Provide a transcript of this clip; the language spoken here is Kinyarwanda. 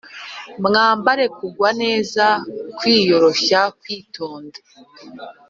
Mwambare kugwa neza kwiyoroshya kwitonda